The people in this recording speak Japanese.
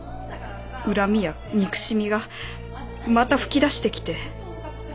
恨みや憎しみが又噴き出してきて」